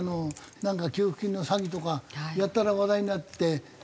なんか給付金の詐欺とかやたら話題になって。